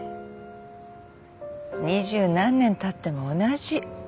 二十何年たっても同じ。